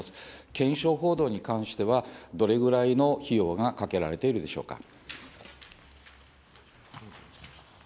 検証報道に関しては、どれぐらいの費用がかけられているでしょうか。